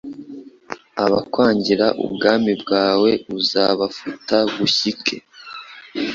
Abakwangira ubwami bwawe Uzabafata bushyike,